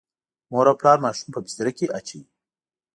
مور او پلار ماشوم په بستره کې اچوي.